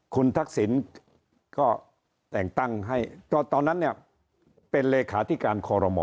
คุณทักษิณก็แต่งตั้งให้ตอนนั้นเนี่ยเป็นเลขาธิการคอรมอ